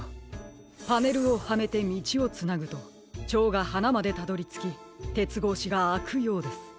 パネルをはめてみちをつなぐとチョウがはなまでたどりつきてつごうしがあくようです。